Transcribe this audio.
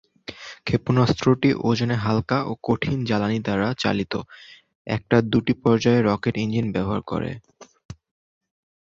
ক্ষেপণাস্ত্রটি ওজনে হালকা ও কঠিন জ্বালানী দ্বারা চালিত একটি দুটি-পর্যায়ের রকেট ইঞ্জিন ব্যবহার করে।